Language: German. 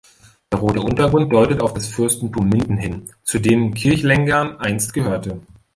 Der rote Untergrund deutet auf das Fürstentum Minden hin, zu dem Kirchlengern einst gehörte.